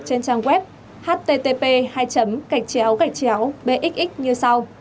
trên trang web http bxx như sau